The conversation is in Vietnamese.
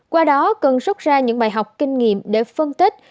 qua đó cần rút ra những bài học kinh nghiệm để phân tích